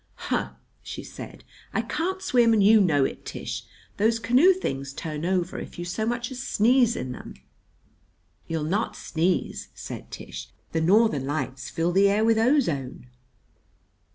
"Huh!" she said. "I can't swim, and you know it, Tish. Those canoe things turn over if you so much as sneeze in them." "You'll not sneeze," said Tish. "The Northern Lights fill the air with ozone."